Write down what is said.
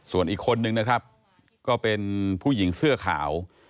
ส่วนอีกคนนึงนะครับก็เป็นผู้หญิงเสื้อขาว